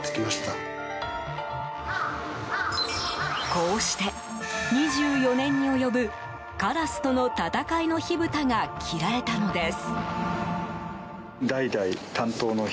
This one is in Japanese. こうして２４年に及ぶカラスとの戦いの火ぶたが切られたのです。